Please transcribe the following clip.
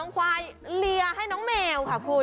ควายเลียให้น้องแมวค่ะคุณ